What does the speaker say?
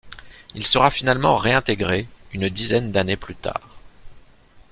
Il sera finalement réintégré une dizaine d'années plus tard.